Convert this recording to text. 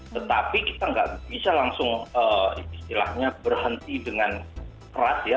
tetapi kita nggak bisa langsung istilahnya berhenti dengan keras ya